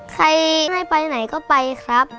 ใครไม่ไปไหนก็ไปครับ